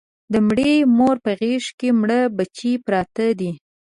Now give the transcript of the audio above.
د مړې مور په غېږ کې مړه بچي پراته دي